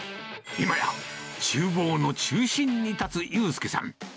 今やちゅう房の中心に立つ悠佑さん。